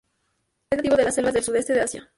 Es nativo de las selvas del sudeste de Asia.